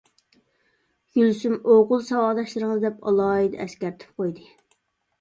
گۈلسۈم «ئوغۇل ساۋاقداشلىرىڭىز» دەپ ئالاھىدە ئەسكەرتىپ قويدى.